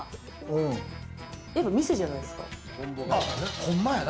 やっぱ店じゃないですか？